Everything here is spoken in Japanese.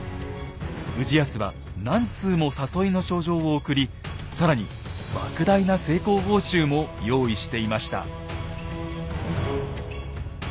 氏康は何通も誘いの書状を送り更に莫大な成功報酬も用意していました。